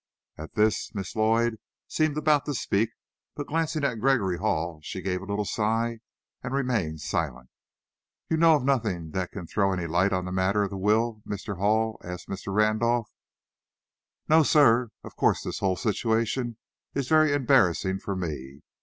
At this, Miss Lloyd seemed about to speak, but, glancing at Gregory Hall, she gave a little sigh, and remained silent. "You know of nothing that can throw any light on the matter of the will, Mr. Hall?" asked Mr. Randolph. "No, sir. Of course this whole situation is very embarrassing for me.